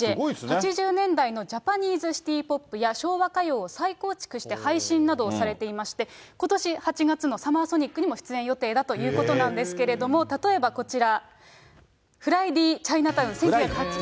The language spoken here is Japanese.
８０年代のジャパニーズ・シティーポップや昭和歌謡を再構築して配信などをされていまして、ことし８月のサマーソニックにも出演予定だということなんですけれども、例えばこちら、フライディ・チャイナタウン。